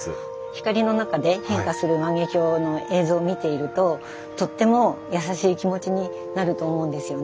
光の中で変化する万華鏡の映像を見ているととっても優しい気持ちになると思うんですよね。